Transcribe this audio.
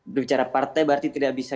berbicara partai berarti tidak bisa